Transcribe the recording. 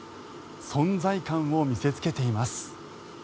存在感を見せつけています。